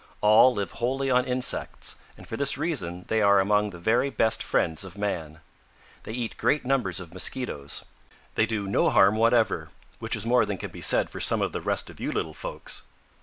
All live wholly on insects, and for this reason they are among the very best friends of man. They eat great numbers of Mosquitoes. They do no harm whatever, which is more than can be said for some of the rest of you little folks.